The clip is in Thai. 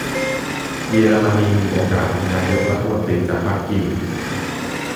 เยอรมนีมีโอกาสมีนายกรัฐมนตรีจากพรรคกรีน ?